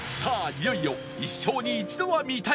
いよいよ一生に一度は見たい！